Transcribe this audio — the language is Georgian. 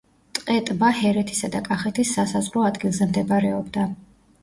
ტყე-ტბა ჰერეთისა და კახეთის სასაზღვრო ადგილზე მდებარეობდა.